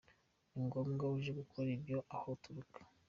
Ni ngombwa uje gukora ivyo aho uturuka.